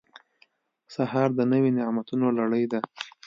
سهار د نوي نعمتونو لړۍ ده.